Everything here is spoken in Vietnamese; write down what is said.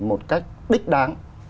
một cách đích đáng